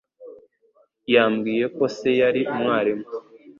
Yambwiye ko se yari umwarimu.